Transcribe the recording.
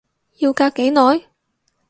要隔幾耐？